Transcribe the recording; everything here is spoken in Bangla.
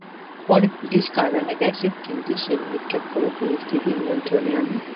পরে পুলিশ কাঁদানে গ্যাসের তিনটি শেল নিক্ষেপ করে পরিস্থিতি নিয়ন্ত্রণে আনে।